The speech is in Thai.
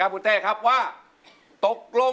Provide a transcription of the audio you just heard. ครับมีแฟนเขาเรียกร้อง